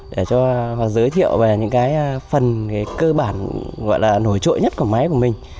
để cho họ giới thiệu về những cái phần cái cơ bản gọi là nổi trội nhất của máy của mình